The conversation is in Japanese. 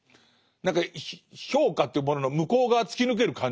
何か評価というものの向こう側突き抜ける感じですね。